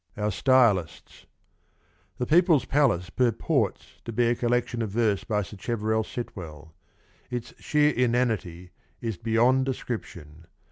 Our Stylists. The People s Palace purports to be a collection of verse by Sacheverell Sitwell. Its sheer inanity is beyond descrip tion.